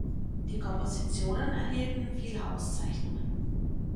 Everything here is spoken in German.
Die Kompositionen erhielten viele Auszeichnungen.